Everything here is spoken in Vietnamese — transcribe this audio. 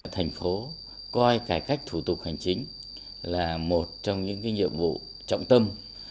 thành phố coi cải cách thủ tục hành chính là một trong những nhiệm vụ trọng tâm